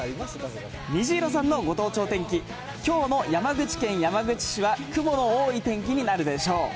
にじいろさんのご当地お天気、きょうの山口県山口市は、雲の多い天気になるでしょう。